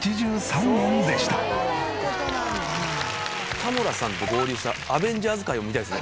田村さんと合流した『アベンジャーズ』回を見たいですね。